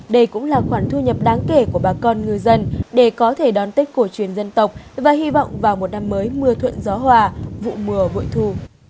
đây cũng là khoản thu nhập đáng kể của bà con ngư dân để có thể đón tích của chuyến dân tộc và hy vọng vào một năm mới mưa thuận gió hòa vụ mưa vội thu